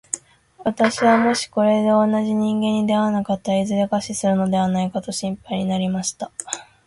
私はもしこれで同じ人間に出会わなかったら、いずれ餓死するのではないかと心配になりました。